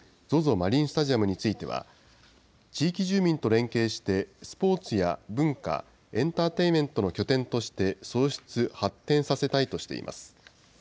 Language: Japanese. マリンスタジアムについては、地域住民と連携して、スポーツや文化・エンターテインメントの拠点として、創出・発展させたいとしています。